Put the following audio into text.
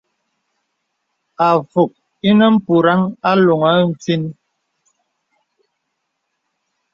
Àvùk ìnə mpùraŋ a loŋə nfīn.